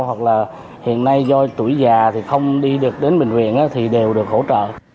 hoặc là hiện nay do tuổi già thì không đi được đến bệnh viện thì đều được hỗ trợ